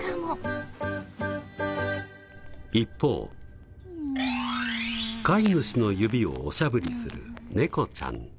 一方飼い主の指をおしゃぶりする猫ちゃん。